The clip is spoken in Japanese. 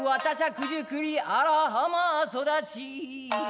九十九里荒浜育ち」